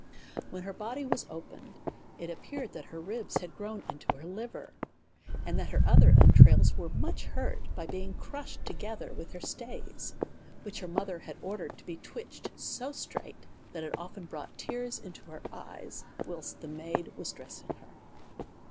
When the body was opened, it appeared that her ribs had grown into her liver, and that her other en trails were much hurt by being crushed together with her stays, which her mother had ordered to be twitch ed so straight, that it often brought tears into her eyes whilst the maid was dressing her.